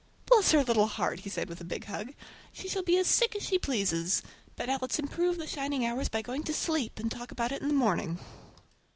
"Bless her little heart!" said he with a big hug; "she shall be as sick as she pleases! But now let's improve the shining hours by going to sleep, and talk about it in the morning!"